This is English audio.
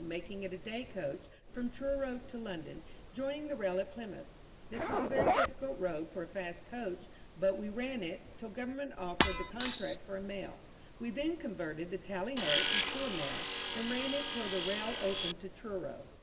making it a day coach from Truro to London, joining the rail at Plymouth; this was a very difficult road for a fast coach, but we ran it, till Government offered the contract for a Mail; we then converted the "Tally Ho!" into a Mail, and ran it till the rail opened to Truro.